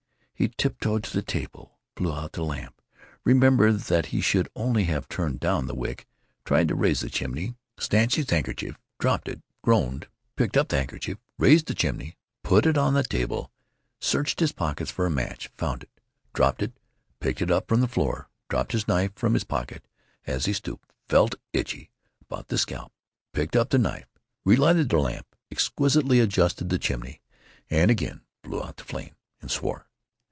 He tiptoed to the table, blew out the lamp, remembered that he should only have turned down the wick, tried to raise the chimney, burnt his fingers, snatched his handkerchief, dropped it, groaned, picked up the handkerchief, raised the chimney, put it on the table, searched his pockets for a match, found it, dropped it, picked it up from the floor, dropped his knife from his pocket as he stooped, felt itchy about the scalp, picked up the knife, relighted the lamp, exquisitely adjusted the chimney—and again blew out the flame. And swore.